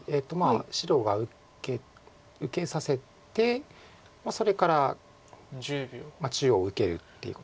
白が受けさせてそれから中央受けるっていうことです。